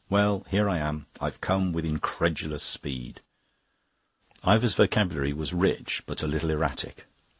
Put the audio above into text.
"Well, here I am. I've come with incredulous speed." Ivor's vocabulary was rich, but a little erratic.